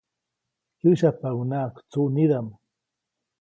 Kyäsyapaʼuŋnaʼak tsuʼnidaʼm.